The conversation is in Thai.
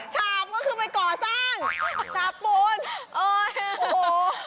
ชาปก็คือไปก่อสร้างชาปปูนโอ้โฮ